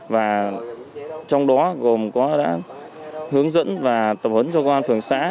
và trong đó gồm có đã hướng dẫn và tập huấn cho công an phường xã